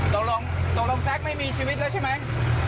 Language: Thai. ตกลงตกลงแซคไม่มีชีวิตแล้วใช่ไหม